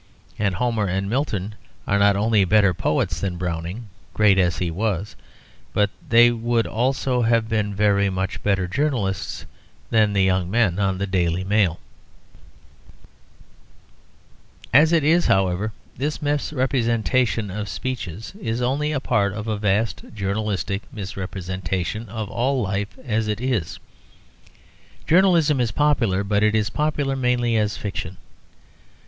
And Homer and Milton are not only better poets than Browning (great as he was), but they would also have been very much better journalists than the young men on the Daily Mail. As it is, however, this misrepresentation of speeches is only a part of a vast journalistic misrepresentation of all life as it is. Journalism is popular, but it is popular mainly as fiction.